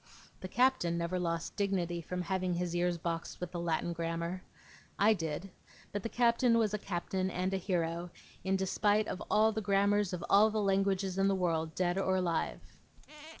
The Captain never lost dignity, from having his ears boxed with the Latin Grammar. I did; but the Captain was a Captain and a hero, in despite of all the grammars of all the languages in the world, dead or alive.